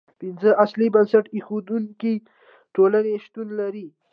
پنځه اصلي بنسټ ایښودونکې ټولنې شتون لري.